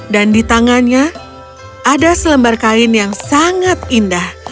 dan di tangannya ada selembar kain yang sangat indah